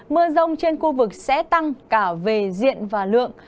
mưa rông trên khu vực sẽ tăng cả về diện và lượng